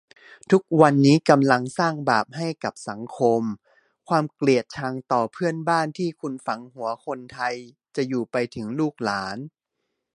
ทุกวันนี้กำลังสร้างบาปให้กับสังคม ความเกลียดชังต่อเพื่อนบ้านที่คุณฝังหัวคนไทยจะอยู่ไปถึงลูกหลาน